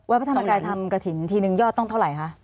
วัดประธานกราวทำกฐินทีหนึ่งยอดต้องเท่าไหร่คะ